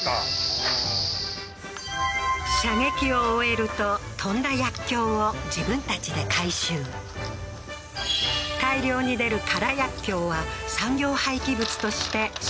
射撃を終えると飛んだ薬莢を自分たちで回収大量に出る空薬莢は産業廃棄物として処分される